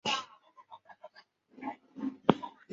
基希比希尔是奥地利蒂罗尔州库夫施泰因县的一个市镇。